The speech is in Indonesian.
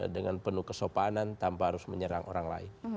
dengan penuh kesopanan tanpa harus menyerang orang lain